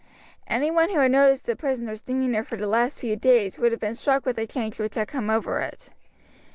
Any one who had noticed the prisoner's demeanor for the last few days would have been struck with the change which had come over it.